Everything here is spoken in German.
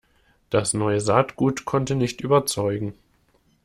Das neue Saatgut konnte nicht überzeugen.